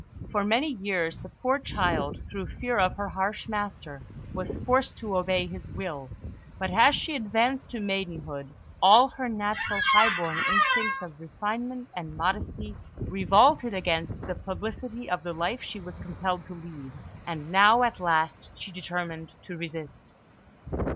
For many years the poor child, through fear of her harsh master, was forced to obey his will; but as she advanced to maidenhood, all her natural high born instincts of refinement and modesty revolted against the publicity of the life she was compelled to lead, and now, at last, she determined to resist.